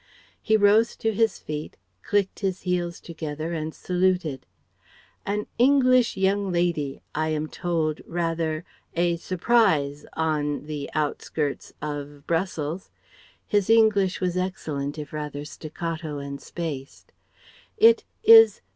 He rose to his feet, clicked his heels together and saluted. "An English young lady, I am told, rather ... a ... surprise ... on ... the ... outskirts ... of Brussels..." (His English was excellent, if rather staccato and spaced.) "It ... is